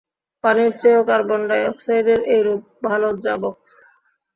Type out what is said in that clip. পানির চেয়েও কার্বন ডাইঅক্সাইডের এই রূপ ভাল দ্রাবক।